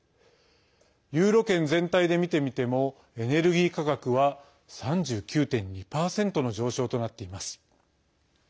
ユーロ圏全体で見てみてもエネルギー価格は３９．２％の上昇となっています。